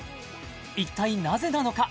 一体なぜなのか？